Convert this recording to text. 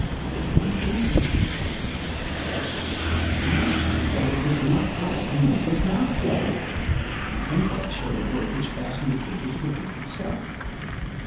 "What is the matter, Pencroft?" asked the reporter. "The matter is, that it was not I who made this knot!" And Pencroft showed a rope which fastened the cable to the bitt itself.